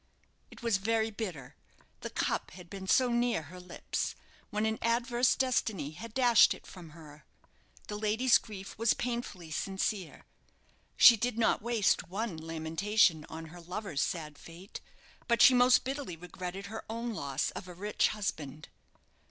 It was very bitter the cup had been so near her lips, when an adverse destiny had dashed it from her. The lady's grief was painfully sincere. She did not waste one lamentation on her lover's sad fate, but she most bitterly regretted her own loss of a rich husband.